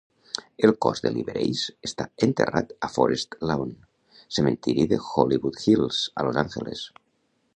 El cos de Liberace està enterrat a Forest Lawn, cementiri de Hollywood Hills, a Los Angeles.